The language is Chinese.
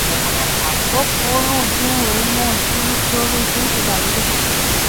罗浮蕗蕨为膜蕨科蕗蕨属下的一个种。